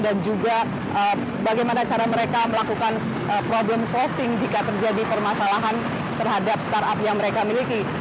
dan juga bagaimana cara mereka melakukan problem solving jika terjadi permasalahan terhadap startup yang mereka miliki